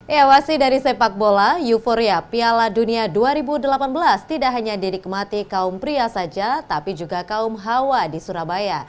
ewasi dari sepak bola euforia piala dunia dua ribu delapan belas tidak hanya didikmati kaum pria saja tapi juga kaum hawa di surabaya